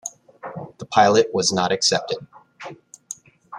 The pilot was not accepted.